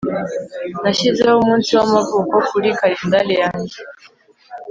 Nashyizeho umunsi wamavuko kuri kalendari yanjye